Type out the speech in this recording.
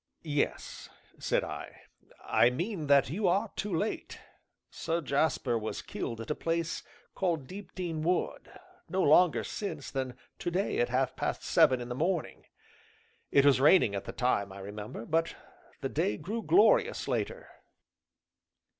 "Yes," said I, "I mean that you are too late. Sir Jasper was killed at a place called Deepdene Wood, no longer since than to day at half past seven in the morning. It was raining at the time, I remember, but the day grew glorious later."